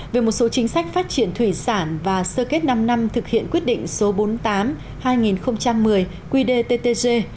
về một số chính sách phát triển thủy sản và sơ kết năm năm thực hiện quyết định số bốn mươi tám hai nghìn một mươi qdttg